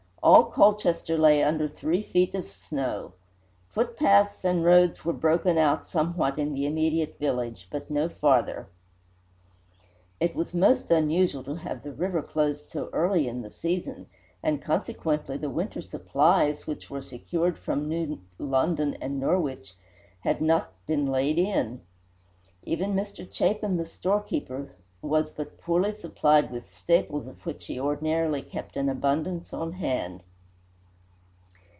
All Colchester lay under three feet of snow. Footpaths and roads were broken out somewhat in the immediate village, but no farther. It was most unusual to have the river closed so early in the season, and consequently the winter supplies, which were secured from New London and Norwich, had not been laid in. Even Mr. Chapin, the storekeeper, was but poorly supplied with staples of which he ordinarily kept an abundance on hand.